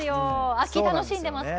秋を楽しんでいますか？